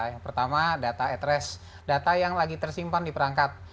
yang pertama data adress data yang lagi tersimpan di perangkat